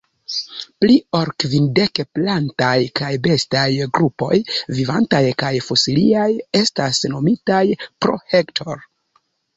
Pli ol kvindek plantaj kaj bestaj grupoj, vivantaj kaj fosiliaj, estas nomitaj pro Hector.